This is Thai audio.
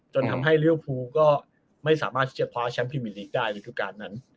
จนทำให้เรียวฟูก็ไม่สามารถที่จะคว้าแชมป์พรีมิลีกได้ในทุกการนั้น